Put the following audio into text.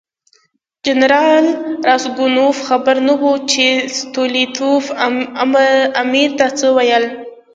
جنرال راسګونوف خبر نه و چې ستولیتوف امیر ته څه ویلي.